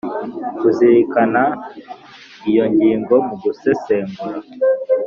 kuzirikana iyo ngingo mu gusesengura